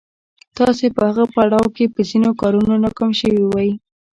تاسې په هغه پړاو کې په ځينو کارونو ناکام شوي وئ.